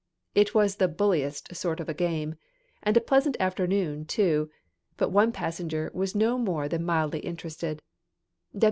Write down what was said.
It was the bulliest sort of a game, and a pleasant afternoon, too, but one passenger was no more than mildly interested.